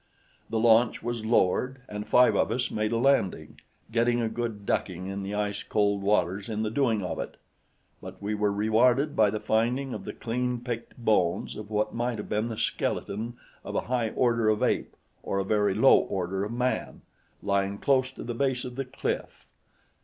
The launch was lowered, and five of us made a landing, getting a good ducking in the ice cold waters in the doing of it; but we were rewarded by the finding of the clean picked bones of what might have been the skeleton of a high order of ape or a very low order of man, lying close to the base of the cliff.